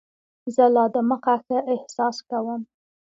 زه لا دمخه ښه احساس کوم.